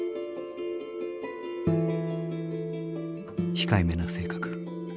控えめな性格。